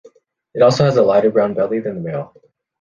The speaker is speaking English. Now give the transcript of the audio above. It also has a lighter brown belly than the male.